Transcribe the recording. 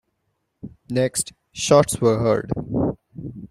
Next, shots were heard.